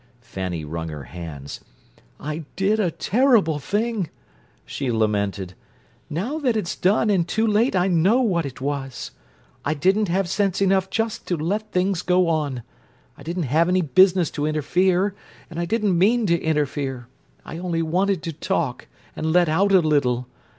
Fanny wrung her hands. "I did a terrible thing!" she lamented. "Now that it's done and too late I know what it was! I didn't have sense enough just to let things go on. I didn't have any business to interfere, and I didn't mean to interfere—I only wanted to talk, and let out a little!